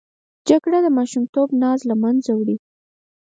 جګړه د ماشومتوب ناز له منځه وړي